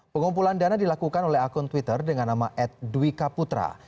pengumpulan dana dilakukan oleh akun twitter dengan nama edwika putra